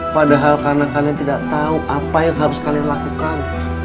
padahal karena kalian tidak tahu apa yang harus kalian lakukan